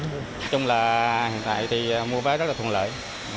nói chung là hiện tại thì mua vé rất là thuận lợi